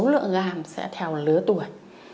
số lượng gàm sẽ theo lứa tuổi